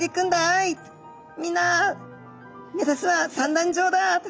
みんな目指すは産卵場だっと。